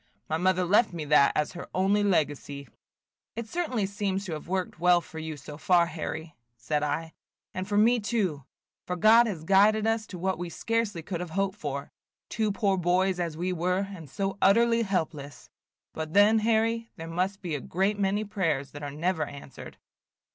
My mother left me that as her only legacy." "It certainly seems to have worked well for you so far, Harry," said I, "and for me too, for God has guided us to what we scarcely could have hoped for, two poor boys as we were, and so utterly helpless. But then, Harry, there must be a great many prayers that are never answered."